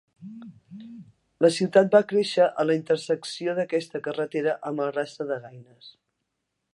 La ciutat va créixer en la intersecció d'aquesta carretera amb el rastre de Gaines.